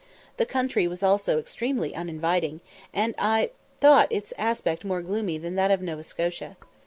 The country also was extremely uninviting, and I thought its aspect more gloomy than that of Nova Scotia.